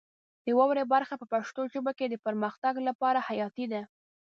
د واورئ برخه په پښتو ژبه کې د پرمختګ لپاره حیاتي ده.